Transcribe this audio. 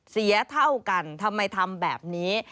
เสียเท่ากันทำไมทำแบบนี้